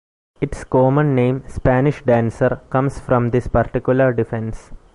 Its common name, Spanish dancer, comes from this particular defense.